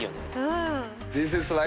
うん。